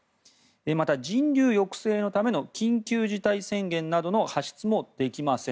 また、人流抑制のための緊急事態宣言などの発出もできません。